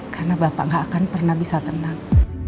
karena bapak tidak akan pernah bisa tenang